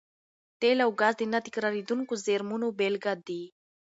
تېل او ګاز د نه تکرارېدونکو زېرمونو بېلګې دي.